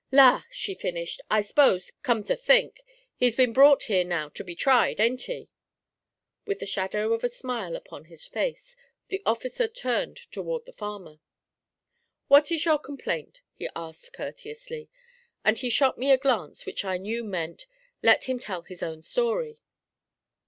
'La!' she finished, 'I s'pose, come to think, he's been brought here now to be tried, ain't he?' With the shadow of a smile upon his face, the officer turned toward the farmer. 'What is your complaint?' he asked courteously; and he shot me a glance which I knew meant, 'Let him tell his own story.'